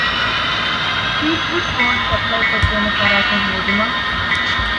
ޓީކް ވުޑް ބޯޑް ސަޕްލައިކޮށްދޭނެ ފަރާތެއް ހޯދުމަށް